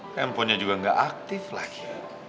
teleponnya juga gak aktif lagi